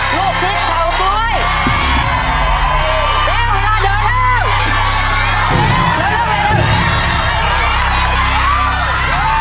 ลูกชิ้นของตัว